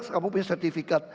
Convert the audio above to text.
kamu punya sertifikat